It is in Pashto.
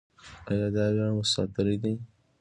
آیا دا ویاړ مو ساتلی دی؟